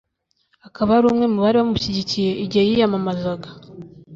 akaba ari umwe mu bari bamushyigikiye igihe yiyamamazaga